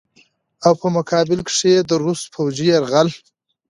او په مقابله کښې ئې د روس فوجي يرغل